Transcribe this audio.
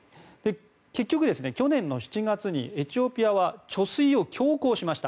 結局、去年の７月にエチオピアは貯水を強行しました。